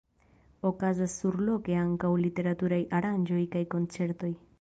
Okazas surloke ankaŭ literaturaj aranĝoj kaj koncertoj.